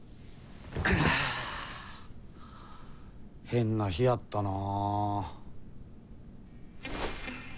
変な日やったな。